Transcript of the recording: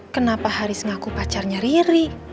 kenapa haris ngaku pacarnya riri